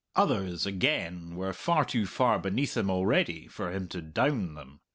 Others, again, were far too far beneath him already for him to "down" them.